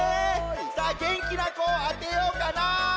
さあげんきなこあてようかな。